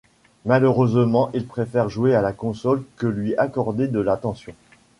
Malheureusement, il préfère jouer à la console que lui accorder de l'attention.